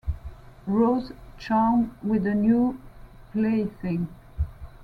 Rose charmed with the new plaything.